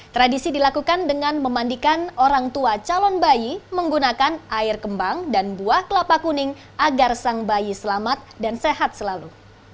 tradisi dilakukan dengan memandikan orang tua calon bayi menggunakan air kembang dan buah kelapa kuning agar sang bayi selamat dan sehat selalu